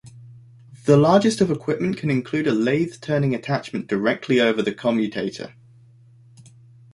The largest of equipment can include a lathe turning attachment directly over the commutator.